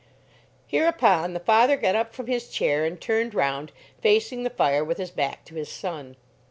Hereupon the father got up from his chair and turned round, facing the fire, with his back to his son.